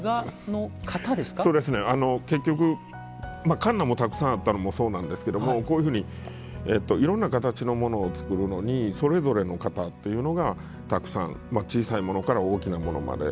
結局、かんなもたくさんあったのもそうなんですがいろんな形のものを作るのにそれぞれの型というのがたくさん、小さなものから大きなものまで。